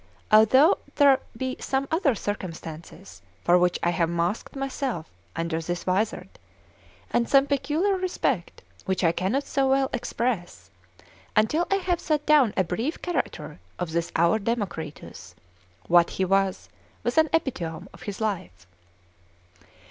although there be some other circumstances for which I have masked myself under this vizard, and some peculiar respect which I cannot so well express, until I have set down a brief character of this our Democritus, what he was, with an epitome of his life.